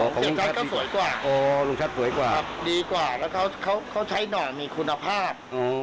ของลูกชาติก็สวยกว่าครับดีกว่าแล้วเขาใช้หน่อมีคุณภาพ